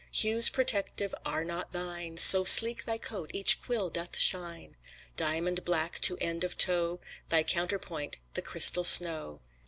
Hues protective are not thine, So sleek thy coat each quill doth shine. Diamond black to end of toe, Thy counterpoint the crystal snow.